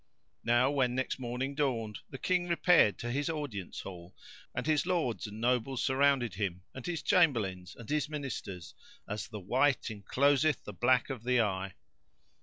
Now when next morning dawned the King repaired to his audience hall, and his Lords and Nobles surrounded him and his Chamberlains and his Ministers, as the white encloseth the black of the eye.